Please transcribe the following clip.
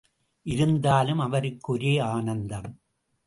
இருந்தாலும் அவருக்கு ஒரே ஆனந்தம்.